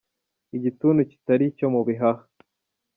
Igituntu kitari icyo mu bihaha,.